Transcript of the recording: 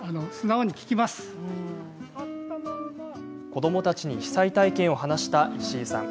子どもたちに被災体験を話した石井さん。